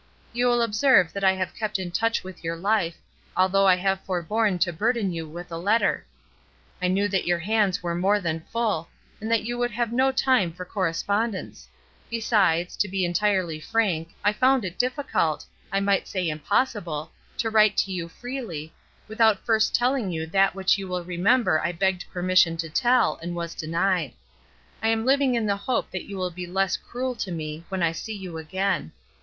You will observe that I have kept in touch with your Ufe, although I have forborne to burden you with a letter. I knew that your hands \ LOVE 253 were more than full, and that you would have no time for correspondents; besides, to be en tirely frank, I found it difficult — I might say impossible — to write to you freely, without first telling you that which you will remember I begged permission to tell and was denied. I am living in the hope that you will be less cruel to me when I see you again.